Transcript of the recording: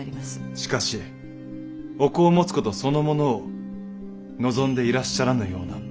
しかしお子を持つことそのものを望んでいらっしゃらぬような。